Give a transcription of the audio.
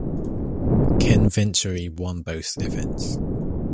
Ken Venturi won both events.